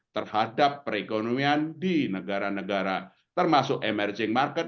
terhadap perekonomian di negara negara termasuk emerging market